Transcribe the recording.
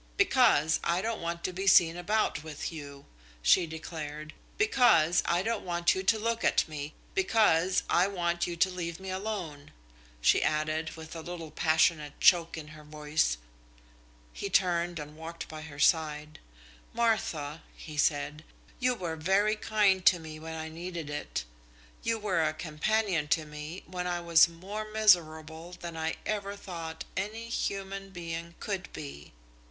"Because I don't want to be seen about with you," she declared, "because I don't want you to look at me, because I want you to leave me alone," she added, with a little passionate choke in her voice. He turned and walked by her side. "Martha," he said, "you were very kind to me when I needed it, you were a companion to me when I was more miserable than I ever thought any human being could be.